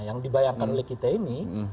yang dibayangkan oleh kita ini